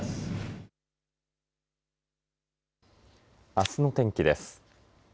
あすの天気です。